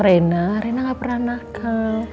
rena gak pernah nakal